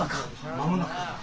間もなく。